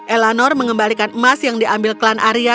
elanor mengembalikan emas yang diambil klan arya